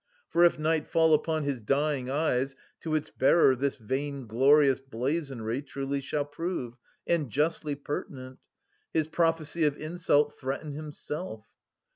For, if night fall upon his dying eyes, To its bearer this vainglorious blazonry Truly shall prove and justly pertinent, His prophecy of insult threaten himself.